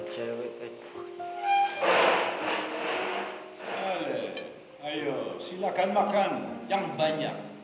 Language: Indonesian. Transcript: salih ayo silahkan makan yang banyak